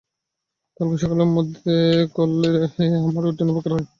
কালকে সকালের মধ্যে করলে আমার জন্য উপকার হয়।